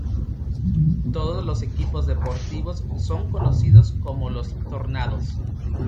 Todos los equipos deportivos son conocidos como los Tornados.